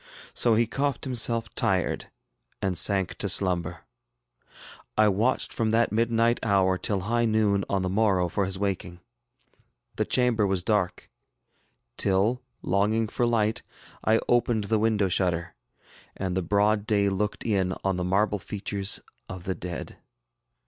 So he coughed himself tired, and sank to slumber. I watched from that midnight hour till high noon on the morrow for his waking. The chamber was dark; till, longing for light, I opened the window shutter, and the broad day looked in on the marble features of the dead.